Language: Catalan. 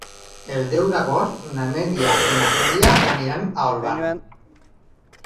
El deu d'agost na Neida i na Cèlia aniran a Olvan.